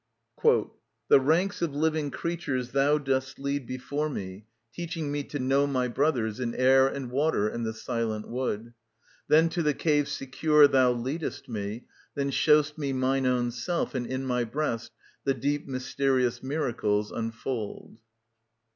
"The ranks of living creatures thou dost lead Before me, teaching me to know my brothers In air and water and the silent wood: Then to the cave secure thou leadest me, Then show'st me mine own self, and in my breast The deep, mysterious miracles unfold."